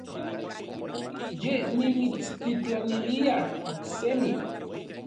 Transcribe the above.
Yej nimitstitlanilia oksemi.